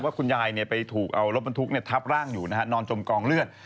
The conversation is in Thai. คุณยายไปถูกเอารถบรรทุกทับร่างอยู่นะฮะนอนจมกองเลือด